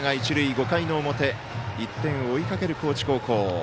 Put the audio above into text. ５回の表１点を追いかける高知高校。